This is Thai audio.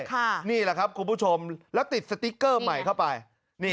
นี่แหละครับคุณผู้ชมแล้วติดสติ๊กเกอร์ใหม่เข้าไปนี่